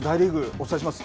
お伝えします。